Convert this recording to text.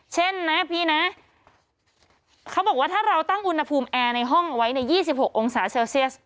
เช่นนะพี่นะเขาบอกว่าถ้าเราตั้งอุณหภูมิแอร์ในห้องเอาไว้ใน๒๖องศาเซลเซียส